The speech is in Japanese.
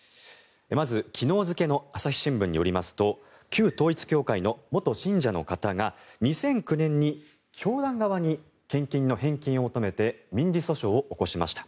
まず昨日付の朝日新聞によりますと旧統一教会の元信者の方が２００９年に教団側に献金の返金を求めて民事訴訟を起こしました。